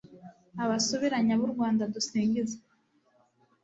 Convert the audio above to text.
Abasubiranya b’u Rwanda dusingiza